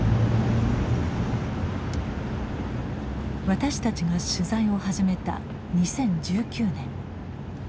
私たちが取材を始めた２０１９年。